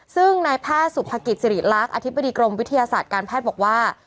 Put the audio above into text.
ซึ่งนายแพทย์สุภกิจสิริลักษณ์อธิบดีกรมวิทยาศาสตร์การแพทย์บอกว่า